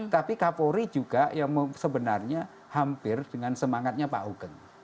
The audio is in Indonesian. tapi kapolri juga yang sebenarnya hampir dengan semangatnya pak hukum